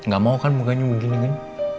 nggak mau kan mukanya begini kan